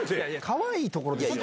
かわいいところですよ？